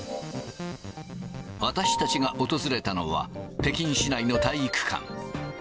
私たちが訪れたのは、北京市内の体育館。